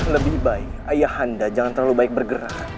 lebih baik ayahanda jangan terlalu baik bergerak